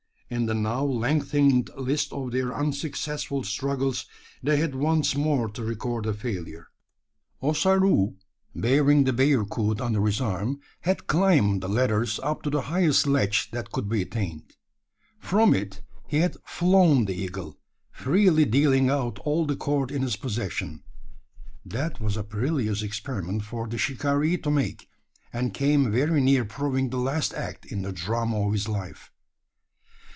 in the now lengthened list of their unsuccessful struggles, they had once more to record a failure! Ossaroo, bearing the bearcoot under his arm, had climbed the ladders up to the highest ledge that could be attained. From it he had "flown" the eagle freely dealing out all the cord in his possession. That was a perilous experiment for the shikaree to make; and came very near proving the last act in the drama of his life.